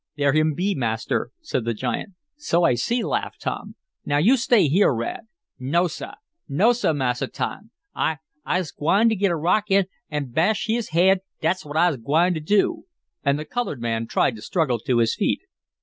"There him be, Master!" said the giant. "So I see," laughed Tom. "Now you stay here, Rad." "No, sah! No, sah, Massa Tom! I I'se gwine t' git a rock an' an' bash his haid dat's what I'se gwine t' do!" and the colored man tried to struggle to his feet.